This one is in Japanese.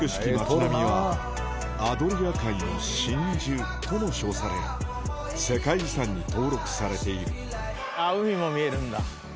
街並みは「アドリア海の真珠」とも称され世界遺産に登録されているあぁ海も見えるんだ。